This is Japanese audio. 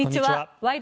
「ワイド！